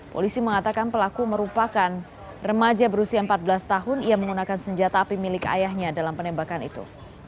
polisi mengatakan pelaku merupakan remaja berusia empat belas tahun ia menggunakan senjata api milik ayahnya dalam penembakan itu